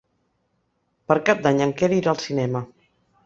Per Cap d'Any en Quer irà al cinema.